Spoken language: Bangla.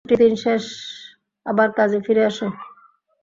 টাইগার, ছুটির দিন শেষ আবার কাজে ফিরে আসো।